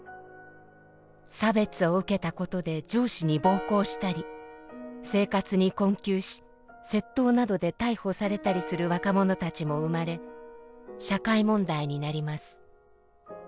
差別を受けたことで上司に暴行したり生活に困窮し窃盗などで逮捕されたりする若者たちも生まれ社会問題になります。